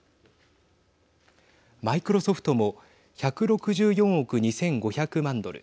マイクロソフトも１６４億２５００万ドル